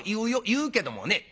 言うけどもね